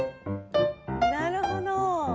なるほど。